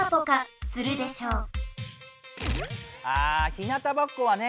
ひなたぼっこはね